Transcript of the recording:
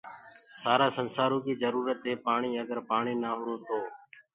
سآرآ سنسآرو ڪي جرورت هي پآڻيٚ اگر پآڻيٚ نآ هرو تو